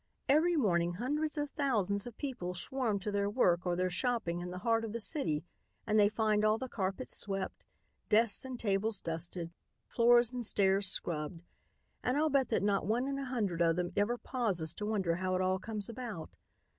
Every morning hundreds of thousands of people swarm to their work or their shopping in the heart of the city and they find all the carpets swept, desks and tables dusted, floors and stairs scrubbed, and I'll bet that not one in a hundred of them ever pauses to wonder how it all comes about.